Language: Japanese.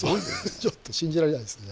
ちょっと信じられないですね。